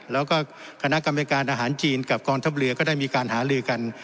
แล้วก็คณะกรรมการอาหารจีนกับกองทัพเรือก็ได้มีการหาลือกัน